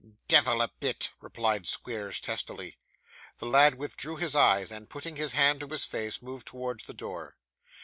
'Devil a bit,' replied Squeers testily. The lad withdrew his eyes, and, putting his hand to his face, moved towards the door.